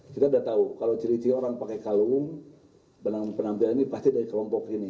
kita udah tahu kalau ciri ciri orang pakai kalung penampilan ini pasti dari kelompok ini